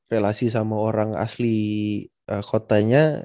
relasi sama orang asli kotanya